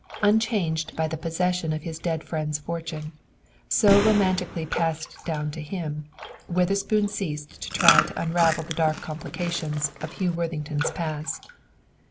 Unchanged by the possession of his dead friend's fortune, so romantically passed down to him, Witherspoon ceased to try to unravel the dark complications of Hugh Worthington's past.